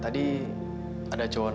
tadi apa dikasiin